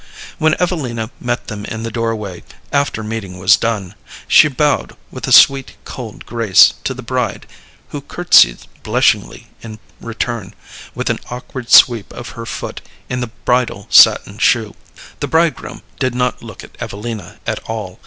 When Evelina met them in the doorway, after meeting was done, she bowed with a sweet cold grace to the bride, who courtesied blushingly in return, with an awkward sweep of her foot in the bridal satin shoe. The bridegroom did not look at Evelina at all.